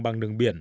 bằng đường biển